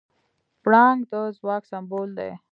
پړانګ د ځواک سمبول دی.